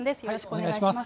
お願いします。